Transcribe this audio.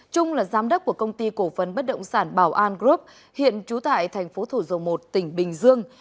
trung là giám đốc của công ty cổ phân bất động sản bảo an group hiện trú tại tp thủ dầu một tỉnh bình dương